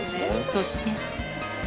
そして。